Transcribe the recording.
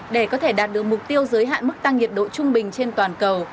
để có thể đạt được mục tiêu giới hạn mức tăng nhiệt độ trung bình trên toàn cầu